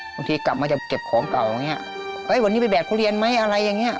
บางทีกลับมาจะเก็บของเก่าอย่างเงี้ยวันนี้ไปแกกทุเรียนไหมอะไรอย่างเงี้